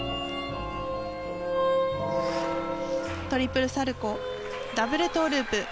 トリプルサルコウダブルトウループ。